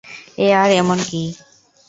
এ আর এমন কী?